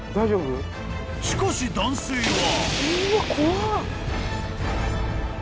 ［しかし男性は］